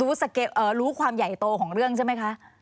รู้สังเกตรู้ความใหญ่โตของเรื่องใช่ไหมคะ